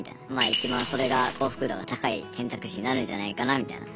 いちばんそれが幸福度が高い選択肢になるんじゃないかなみたいな。